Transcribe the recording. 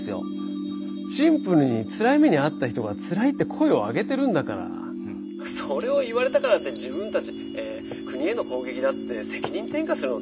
シンプルにつらい目に遭った人がつらいって声を上げてるんだからそれを言われたからって自分たちえ国への攻撃だって責任転嫁するのっておかしくないですか」。